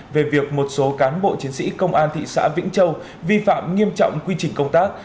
về việc một số cán bộ chiến sĩ công an thị xã vĩnh châu vi phạm nghiêm trọng quy trình công tác